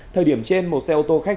thời điểm trên một xe ô tô khách